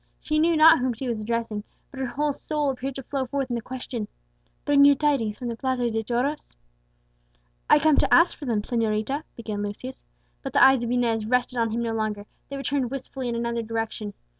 She knew not whom she was addressing, but her whole soul appeared to flow forth in the question, "Bring you tidings from the Plaza de Toros?" "I come to ask for them, señorita," began Lucius. But the eyes of Inez rested on him no longer, they were turned wistfully in another direction.